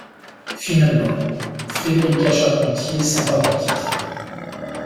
Finalement, Frédérika Charpentier s'empare du titre.